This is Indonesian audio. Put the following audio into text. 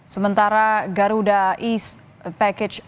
sementara garuda east package